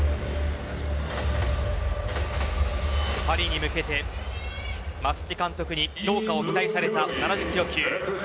パリに向けて増地監督に評価を期待された７０キロ級。